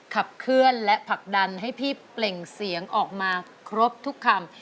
ขับเคลื่อนและผลักดันให้พี่เปล่งเสียงออกมาครบทุกคำ